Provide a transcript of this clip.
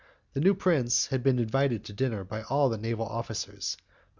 The new prince had been invited to dinner by all the naval officers, but M.